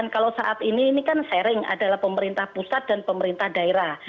kalau saat ini ini kan sharing adalah pemerintah pusat dan pemerintah daerah